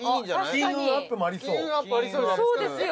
金運アップもありそうそうですよ